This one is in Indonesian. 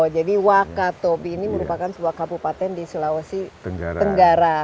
jadi wakatobi ini merupakan sebuah kabupaten di sulawesi tenggara